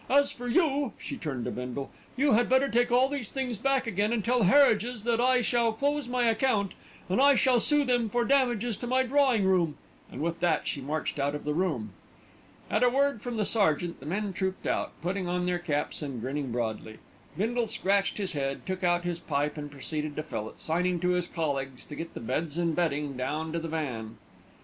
As for you," she turned to Bindle, "you had better take all these things back again and tell Harridge's that I shall close my account, and I shall sue them for damages to my drawing room"; and with that she marched out of the room. At a word from the sergeant the men trooped out, putting on their caps and grinning broadly. Bindle scratched his head, took out his pipe and proceeded to fill it, signing to his colleagues to get the beds and bedding down to the van.